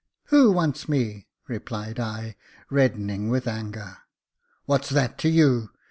"Who wants me ?" replied I, reddening with anger. " What's that to you